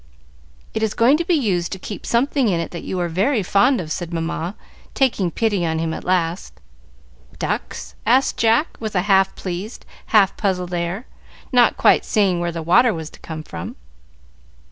"It is going to be used to keep something in that you are very fond of," said Mamma, taking pity on him at last. "Ducks?" asked Jack, with a half pleased, half puzzled air, not quite seeing where the water was to come from.